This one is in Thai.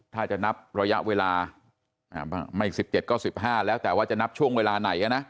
ถ้าจะนับระยะเวลาไม่๑๗ก็๑๕แล้วแต่ว่าจะนับช่วงเวลาไหนนะ